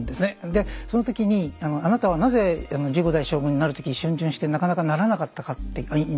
でその時に「あなたはなぜ１５代将軍になる時逡巡してなかなかならなかったか」っていうインタビューがある。